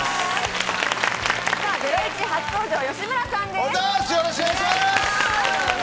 『ゼロイチ』初登場、吉村さんです。